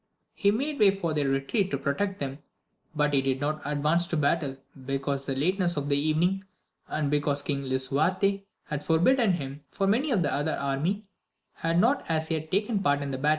He made way retreat to protect them, but he did not adi battle, because of the lateness of the evening, cause King Lisuarte had forbidden him, for the other army had not as yet taken part in the IJ?